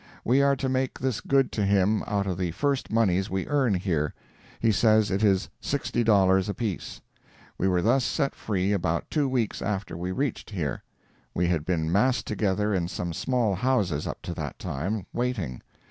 We are to make this good to him out of the first moneys we earn here. He says it is sixty dollars apiece. We were thus set free about two weeks after we reached here. We had been massed together in some small houses up to that time, waiting.